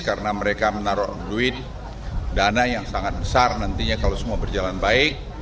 karena mereka menaruh duit dana yang sangat besar nantinya kalau semua berjalan baik